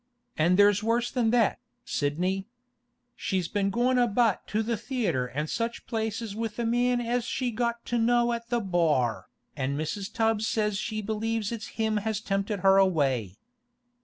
An' there's worse than that, Sidney. She's been goin' about to the theatre an' such places with a man as she got to know at the bar, an' Mrs. Tubbs says she believes it's him has tempted her away.